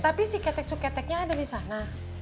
tapi si ketek suketeknya ada disana